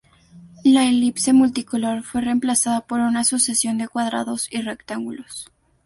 La elipse multicolor fue reemplazada por una sucesión de cuadrados y rectángulos.